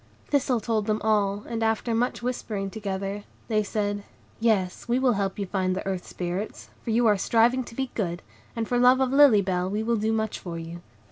Thistle told them all, and, after much whispering together, they said,— "Yes, we will help you to find the Earth Spirits, for you are striving to be good, and for love of Lily Bell we will do much for you."